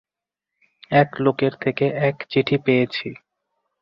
এক লোকের থেকে এক চিঠি পেয়েছি।